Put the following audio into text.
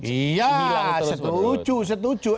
iya setuju setuju